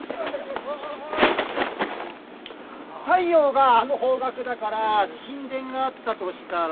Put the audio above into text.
太陽があの方角だから神殿があったとしたら。